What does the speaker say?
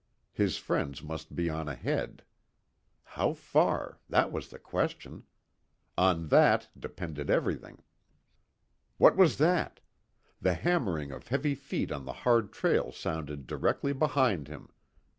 His friends must be on ahead. How far! that was the question. On that depended everything. What was that? The hammering of heavy feet on the hard trail sounded directly behind him.